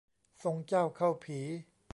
ทรงเจ้าเข้าผี